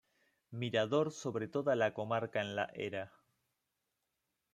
Mirador sobre toda la comarca en la Era.